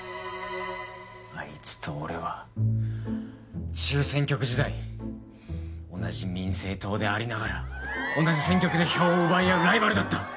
あいつと俺は中選挙区時代同じ民政党でありながら同じ選挙区で票を奪い合うライバルだった。